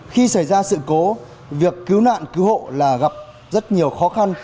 khi xảy ra sự cố việc cứu nạn cứu hộ là gặp rất nhiều khó khăn